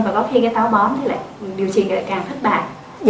và có khi cái táo bón thì điều trị lại càng thất bại